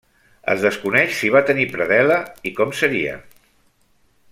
Es desconeix si va tenir predel·la i com seria.